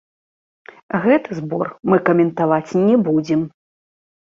Гэты збор мы каментаваць не будзем!